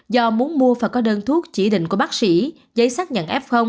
do muốn mua phải có đơn thuốc chỉ định của bác sĩ giấy xác nhận f